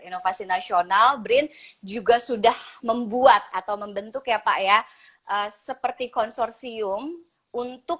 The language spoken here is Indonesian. inovasi nasional brin juga sudah membuat atau membentuk ya pak ya seperti konsorsium untuk